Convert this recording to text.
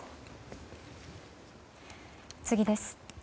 次です。